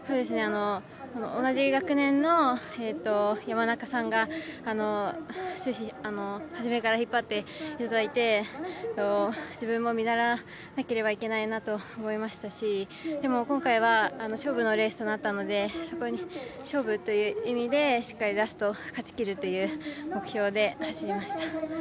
同じ学年の山中さんがはじめから引っ張っていただいて自分も見習わなければいけないなと思いましたし、でも、今回は勝負のレースとなったのでそこに勝負という意味でしっかりラスト勝ちきるという目標で走りました。